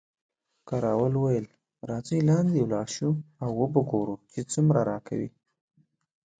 کراول وویل، راځئ لاندې ولاړ شو او وو به ګورو چې څومره راکوي.